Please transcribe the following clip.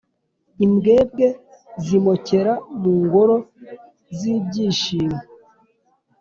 imbwebwe zimokere mu ngoro z’ibyishimo.